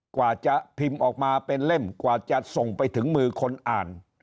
กว่าจะพิมพ์ออกมาเป็นเล่มกว่าจะส่งไปถึงมือคนอ่าน